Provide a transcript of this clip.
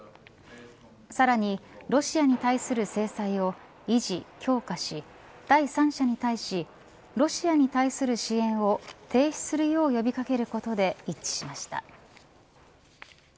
さらに、ロシアに対する制裁を維持、強化し第三者に対しロシアに対する支援を停止するよう呼び掛けることで一致しました。